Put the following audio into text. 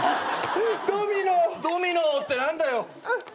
ドミノ！って何だよ。